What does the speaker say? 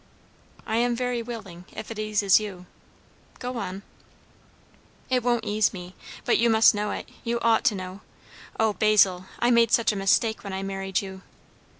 "I am very willing, if it eases you. Go on." "It wont ease me. But you must know it. You ought to know. O, Basil, I made such a mistake when I married you!"